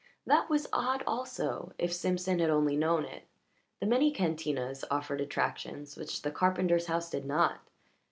That was odd also, if Simpson had only known it; the many cantinas offered attractions which the carpenter's house did not.